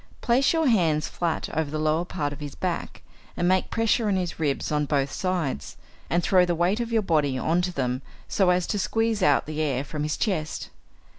Place your hands flat over the lower part of his back, and make pressure on his ribs on both sides, and throw the weight of your body on to them so as to squeeze out the air from his chest.